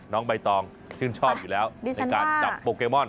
น้องใบตองชื่นชอบอยู่แล้วในการจับโปเกมอน